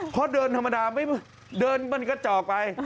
เพราะเดินธรรมดาเดินมันกระจอกไป